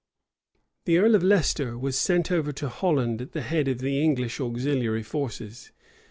The earl of Leicester was sent over to Holland at the head of the English auxiliary forces.